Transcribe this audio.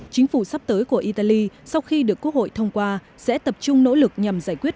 chính phủ sắp tới của italy sau khi được quốc hội thông qua sẽ tập trung nỗ lực nhằm giải quyết